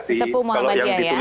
sepu muhammadiyah ya